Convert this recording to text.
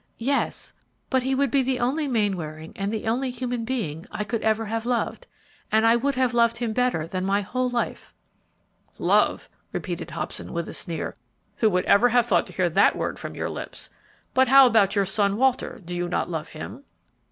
"Yes; but he would be the only Mainwaring and the only human being I could ever have loved, and I would have loved him better than my own life." "Love!" repeated Hobson, with a sneer. "Who would ever have thought to hear that word from your lips! But how about your son, Walter; do you not love him?"